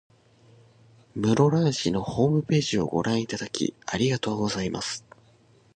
室蘭市のホームページをご覧いただき、ありがとうございます。